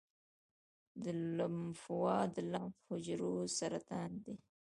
د لمفوما د لمف حجرو سرطان دی.